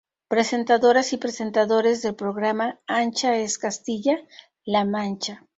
Presentadoras y presentadores del programa Ancha es Castilla-la Mancha